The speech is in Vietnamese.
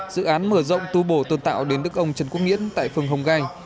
dự án mở rộng tu bổ tôn tạo đền đức ông trần quốc nghĩễn tại phường hồng gai